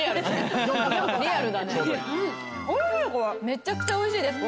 めっちゃくちゃおいしいです。